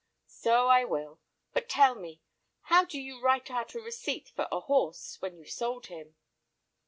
"So I will; but tell me, how do you write out a receipt for a horse when you've sold him?"